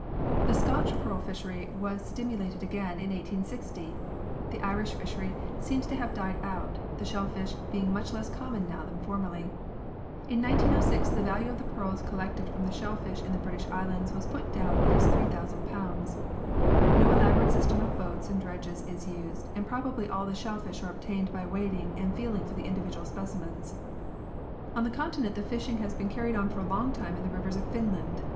The Scotch pearl fishery was stimulated again in 1860. The Irish fishery seems to have died out the shellfish being much less common now than formerly. In 1906 the value of the pearls collected from the shellfish in the British Islands was put down as 3000. No elaborate system of boats and dredges is used and probably all the shellfish are obtained by wading and feeling for the individual specimens. On the continent the fishing has been carried on for a long time in the rivers of Finland.